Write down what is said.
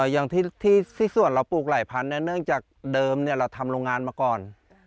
อย่างที่ส่วนเราปลูกหลายพันเนื่องจากเดิมเราทำโรงงานมาก่อน